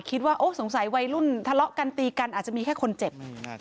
คิดว่าโอ้สงสัยวัยรุ่นทะเลาะกันตีกันอาจจะมีแค่คนเจ็บ